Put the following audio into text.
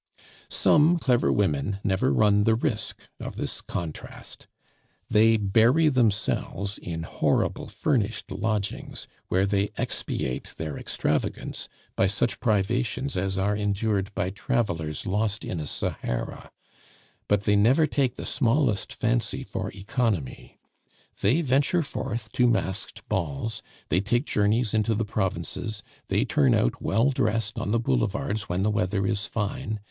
Some clever women never run the risk of this contrast. They bury themselves in horrible furnished lodgings, where they expiate their extravagance by such privations as are endured by travelers lost in a Sahara; but they never take the smallest fancy for economy. They venture forth to masked balls; they take journeys into the provinces; they turn out well dressed on the boulevards when the weather is fine.